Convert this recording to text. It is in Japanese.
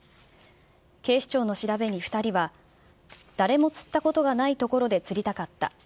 警視庁の調べに２人は、誰も釣ったことがない所で釣りたかった。